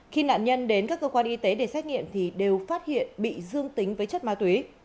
khi nạn nhân đến các cơ quan y tế để xét nghiệm thì đều phát hiện bị dương tính với chất ma túy